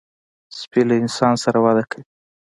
سپي له انسان سره وده کوي.